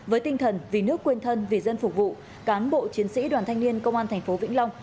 với tinh thần vì nước quên thân vì dân phục vụ cán bộ chiến sĩ đoàn thanh niên công an thành phố vĩnh long